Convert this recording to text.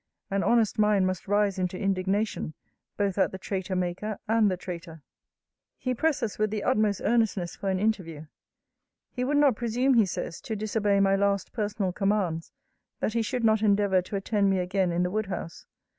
An honest mind must rise into indignation both at the traitor maker and the traitor. * Mr. Lovelace accounts for this, Vol. I, Letter XXXV. 'He presses with the utmost earnestness for an interview. He would not presume, he says, to disobey my last personal commands, that he should not endeavour to attend me again in the wood house.